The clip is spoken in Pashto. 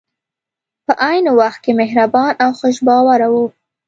په عین وخت کې مهربان او خوش باوره وو.